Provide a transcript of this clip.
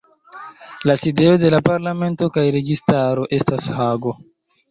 La sidejo de la parlamento kaj registaro estas Hago.